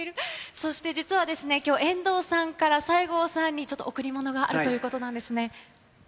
そして実はきょう、遠藤さんから西郷さんにちょっと贈り物があるということなんですね。